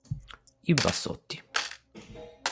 I Bassotti".